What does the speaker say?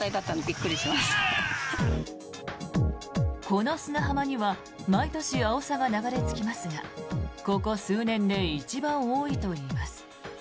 この砂浜には毎年、アオサが流れ着きますがここ数年で一番多いといいます。